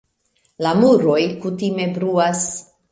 La muroj kutime bruas.